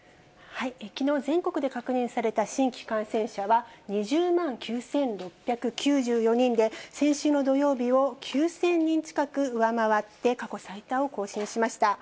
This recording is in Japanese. きのう、全国で確認された新規感染者は２０万９６９４人で、先週の土曜日を９０００人近く上回って、過去最多を更新しました。